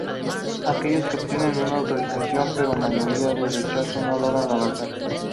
Aquellos que obtienen una autorización, pero mayoría de rechazos, no logran avanzar.